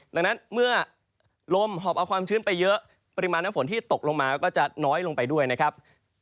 ดังนั้นเมื่อลมหอบเอาความชื้นไปเยอะปริมาณน้ำฝนที่ตกลงมาก็จะน้อยลงไปด้วยนะครับ